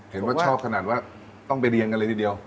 เห็นว่าชอบขนาดว่าต้องไปเรียนกันเลยทีเดียว